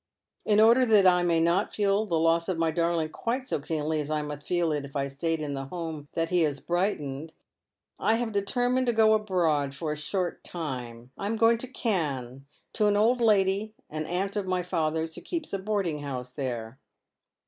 " In order that I may not feel the loss of my darling quite so keenly as I must feel it if I stayed in the home that he has brightened, I have deteraiined to go abroad for a short time. I am going to Cannes, to an old lady, an aunt of my father's, who keeps a boarding house there.